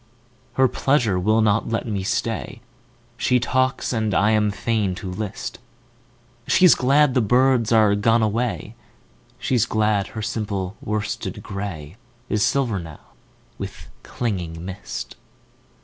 Her pleasure will not let me stay. She talks and I am fain to list:She's glad the birds are gone away, She's glad her simple worsted grayIs silver now with clinging mist.